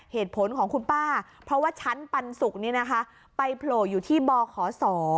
เหตุผลของคุณป้าเพราะว่าชั้นปันสุกนี้นะคะไปโผล่อยู่ที่บขศ